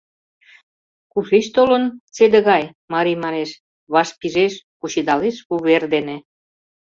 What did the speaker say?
Кушеч толын седыгай?» Мари манеш, вашпижеш Кучедалеш вувер дене.